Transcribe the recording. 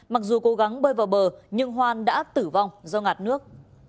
mặc dù cố gắng bơi vào bờ nhưng hoan đã tử vong do ngạt nước